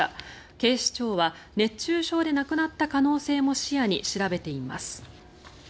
警視庁は熱中症で亡くなった可能性も視野に調べています。